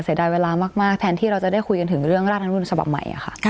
เสียดายเวลามากแทนที่เราจะได้คุยกันถึงเรื่องรัฐธรรมนุนฉบับใหม่ค่ะ